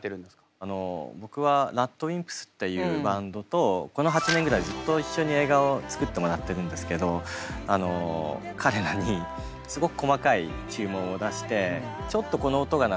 あの僕はＲＡＤＷＩＭＰＳっていうバンドとこの８年ぐらいずっと一緒に映画を作ってもらってるんですけど彼らにすごく細かい注文を出してちょっとこの音が鳴る